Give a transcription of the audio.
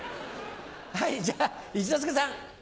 はいじゃあ一之輔さん。